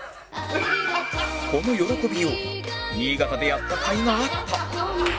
この喜びよう新潟でやった甲斐があった